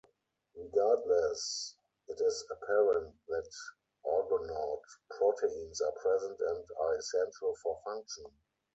Regardless, it is apparent that Argonaute proteins are present and are essential for function.